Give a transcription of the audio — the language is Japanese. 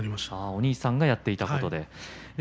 お兄さんがやっていたんですね。